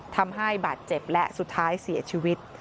ทำให้บาดเจ็บและสุดท้ายเสียชีวิต